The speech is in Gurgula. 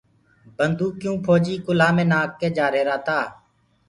بنٚدوڪيٚئونٚ ڦوجيٚ ڪُلهآ مينٚ نآک ڪي جآريهرآ تآ